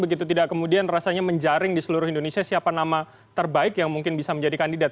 begitu tidak kemudian rasanya menjaring di seluruh indonesia siapa nama terbaik yang mungkin bisa menjadi kandidat